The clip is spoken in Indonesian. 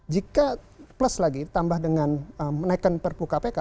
jika plus lagi tambah dengan menaikkan perpu kpk